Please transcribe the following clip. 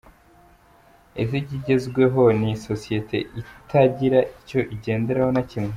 Ese ikigezweho ni sosiyete itagira icyo igenderaho na kimwe?.